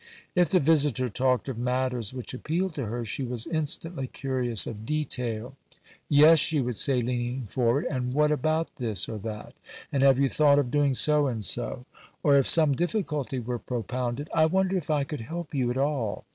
If the visitor talked of matters which appealed to her, she was instantly curious of detail. "Yes," she would say, leaning forward, "and what about this or that? and have you thought of doing so and so?" Or if some difficulty were propounded, "I wonder if I could help you at all?